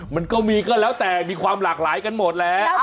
มันก็มีก็แล้วแต่มีความหลากหลายกันหมดแหละ